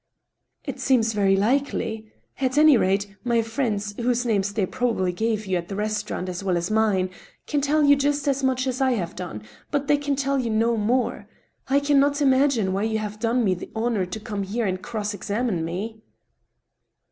'•It seems very likely. ... At any rate, my friends, whose names they probably gave you at the restaurant as well as mine, can tell you just as much as I have done, but they can tell you no more. I can not imagine why you have done me the honor to come here and cross examine me."